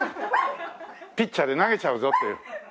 ピッチャーで投げちゃうぞ！という。